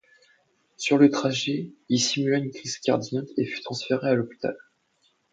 Sur le trajet, il simula une crise cardiaque et fut transféré à l'hôpital.